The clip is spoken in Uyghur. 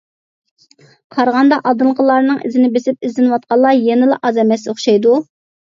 قارىغاندا ئالدىنقىلارنىڭ ئىزىنى بېسىپ ئىزدىنىۋاتقانلار يەنىلا ئاز ئەمەس ئوخشايدۇ.